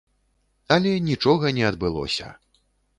Але нічога не адбылося.